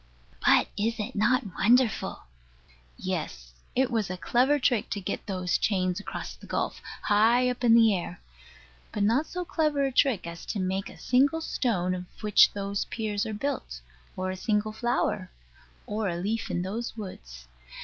But is it not wonderful? Yes: it was a clever trick to get those chains across the gulf, high up in the air: but not so clever a trick as to make a single stone of which those piers are built, or a single flower or leaf in those woods.